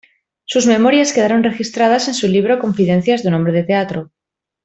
Sus memorias quedaron registradas en su libro "Confidencias de un hombre de teatro".